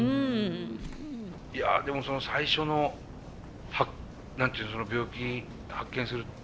いやでも最初の何て言うの病気発見する。